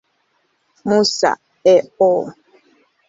Musa, A. O.